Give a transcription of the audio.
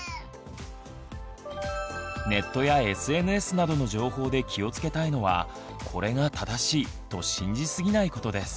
ネットやＳＮＳなどの情報で気をつけたいのは「これが正しい」と信じすぎないことです。